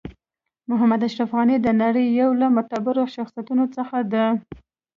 محمد اشرف غنی د نړۍ یو له معتبرو شخصیتونو څخه ده .